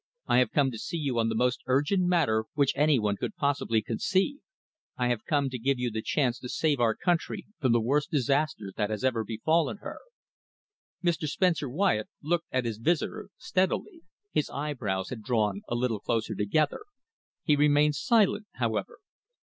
I have come to see you on the most urgent matter which any one could possibly conceive. I have come to give you the chance to save our country from the worst disaster that has ever befallen her." Mr. Spencer Wyatt looked at his visitor steadily. His eyebrows had drawn a little closer together. He remained silent, however.